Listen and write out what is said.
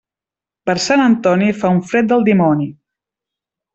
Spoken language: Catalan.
Per Sant Antoni fa un fred del dimoni.